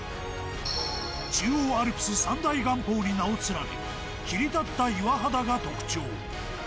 中央アルプス三大岩峰に名を連ね、切り立った岩肌が特徴。